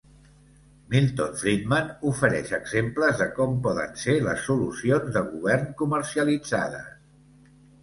Milton Friedman ofereix exemples de com poden ser les solucions de govern comercialitzades.